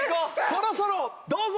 そろそろどうぞ！